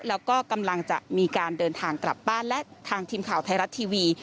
แล้วก็กำลังจะมีการเดินทางกลับบ้านและทางทีมข่าวไทยรัฐทีวี